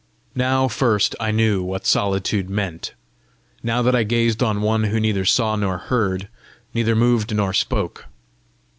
Now first I knew what solitude meant now that I gazed on one who neither saw nor heard, neither moved nor spoke.